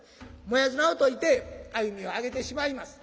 もやい綱を解いて歩みを揚げてしまいます。